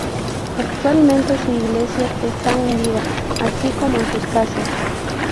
Actualmente su Iglesia está hundida, así como sus casas.